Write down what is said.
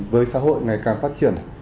với xã hội ngày càng phát triển